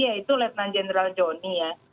yaitu lieutenant general joni ya